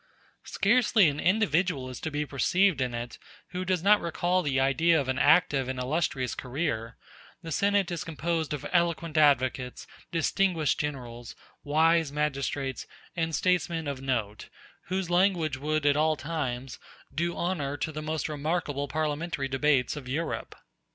Scarcely an individual is to be perceived in it who does not recall the idea of an active and illustrious career: the Senate is composed of eloquent advocates, distinguished generals, wise magistrates, and statesmen of note, whose language would at all times do honor to the most remarkable parliamentary debates of Europe.